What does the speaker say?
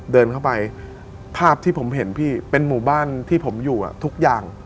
เดินเข้าไปภาพที่ผมเห็นพี่เป็นหมู่บ้านที่ผมอยู่ทุกอย่าง